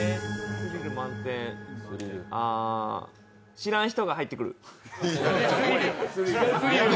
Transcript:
知らん人が入ってくる。